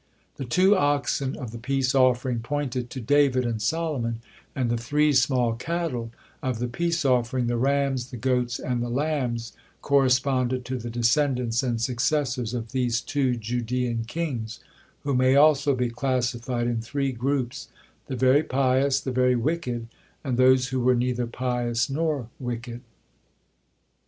The two oxen of the peace offering pointed to David and Solomon, and the three small cattle of the peace offering, the rams, the goats, and the lambs, corresponded to the descendants and successors of these two Judean kings, who may also be classified in three groups, the very pious, the very wicked, and those who were neither pious nor wicked.